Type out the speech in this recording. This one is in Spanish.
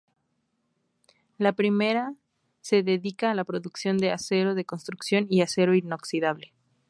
La primera se dedica a la producción de acero de construcción y acero inoxidable.